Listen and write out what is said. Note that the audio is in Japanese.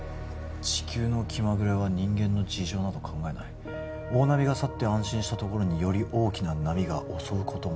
「地球の気紛れは人間の事情など考えない」「大波が去って安心したところにより大きな波が襲う事も」